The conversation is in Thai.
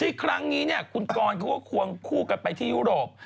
ที่ครั้งนี้คุณกรณ์ก็ควรคู่กันไปที่ยุโรป